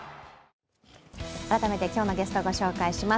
改めて今日のゲストをご紹介します。